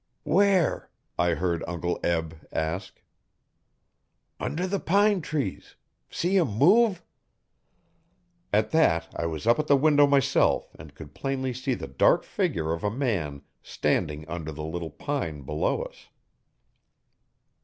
'Where?' I heard Uncle Be ask 'Under the pine trees see him move.' At that I was up at the window myself and could plainly see the dark figure of a man standing under the little pine below us.